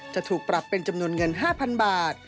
จะถูกปรับเป็นจำนวนเงิน๕๐๐๐บาท